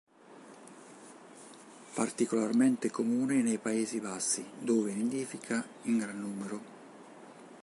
Particolarmente comune nei Paesi Bassi dove nidifica in gran numero.